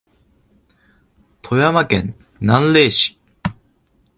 富山県南砺市